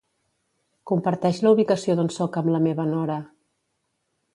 Comparteix la ubicació d'on soc amb la meva nora.